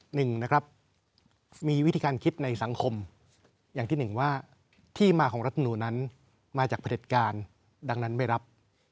หนึ่งนะครับมีวิธีการคิดในสังคมอย่างที่หนึ่งว่าที่มาของรัฐมนูลนั้นมาจากประเด็จการดังนั้นไม่รับ